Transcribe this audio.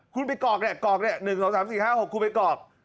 คุณไปกรอกนี่๑๒๓๔๕๖คุณไปกรอก